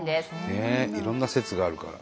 ねえいろんな説があるから。